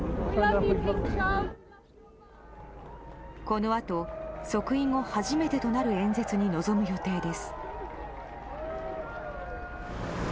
このあと、即位後初めてとなる演説に臨む予定です。